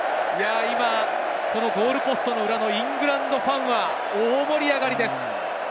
ゴールポストの裏のイングランドファンは大盛り上がりです。